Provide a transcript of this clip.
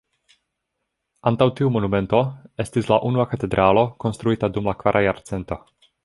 Antaŭ tiu monumento estis la unua katedralo konstruita dum la kvara jarcento.